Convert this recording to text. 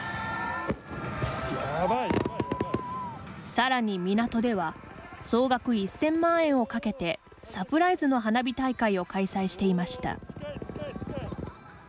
さらに港では総額１０００万円をかけてサプライズの花火大会を開催していました。